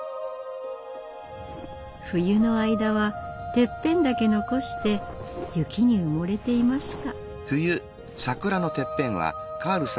冬の間はてっぺんだけ残して雪に埋もれていました。